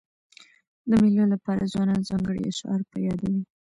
د مېلو له پاره ځوانان ځانګړي اشعار په یادوي.